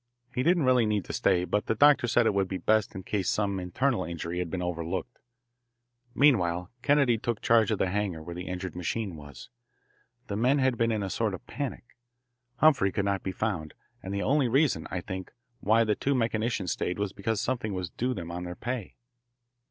He didn't really need to stay, but the doctor said it would be best in case some internal injury had been overlooked. Meanwhile Kennedy took charge of the hangar where the injured machine was. The men had been in a sort of panic; Humphrey could not be found, and the only reason, I think, why the two mechanicians stayed was because something was due them on their pay.